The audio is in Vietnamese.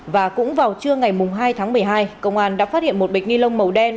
và cũng vào trưa ngày hai tháng một mươi hai công an đã phát hiện một bịch ni lông màu đen